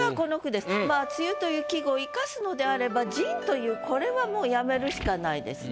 まあ「梅雨」という季語生かすのであれば「陣」というこれはもう止めるしかないですね。